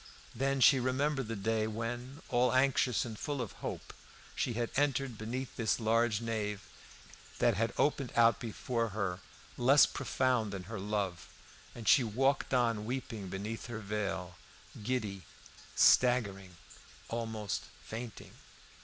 Then she remembered the day when, all anxious and full of hope, she had entered beneath this large nave, that had opened out before her, less profound than her love; and she walked on weeping beneath her veil, giddy, staggering, almost fainting.